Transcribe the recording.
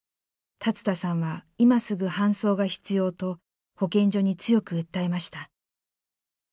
龍田さんは今すぐ搬送が必要と保健所に強く訴えました。